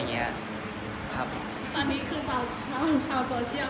ตอนนี้คือข้าวโซเชียล